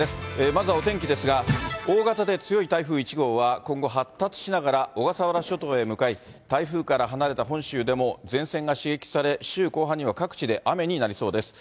まずはお天気ですが、大型で強い台風１号は、今後発達しながら小笠原諸島へ向かい、台風から離れた本州でも前線が刺激され、週後半には各地で雨になりそうです。